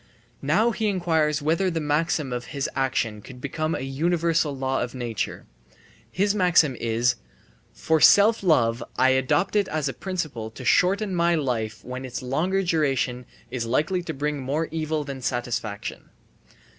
Now he inquires whether the maxim of his action could become a universal law of nature. His maxim is: "From self love I adopt it as a principle to shorten my life when its longer duration is likely to bring more evil than satisfaction."